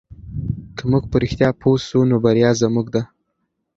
که موږ په رښتیا پوه سو نو بریا زموږ ده.